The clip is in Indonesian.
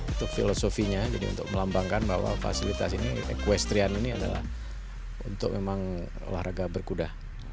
itu filosofinya jadi untuk melambangkan bahwa fasilitas ini equestrian ini adalah untuk memang olahraga berkuda